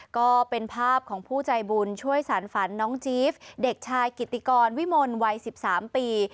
ก็เป็นภาพของผู้ใจบุญช่วยสารฝันน้องจี๊บเด็กชายกิติกรวิมลวัย๑๓ปี